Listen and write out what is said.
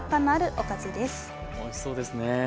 おいしそうですね。